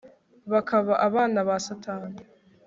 bakaba abana ba satani